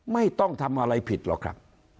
ไม่ต้องทำอะไรผิดหรอกครับ